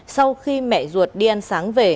sau khi mẹ ruột đi ăn sáng về